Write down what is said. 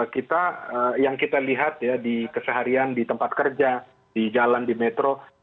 kita yang kita lihat ya di keseharian di tempat kerja di jalan di metro